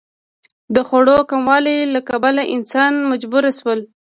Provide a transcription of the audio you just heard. د خوړو کموالي له کبله انسانان مجبور شول.